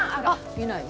いないわ。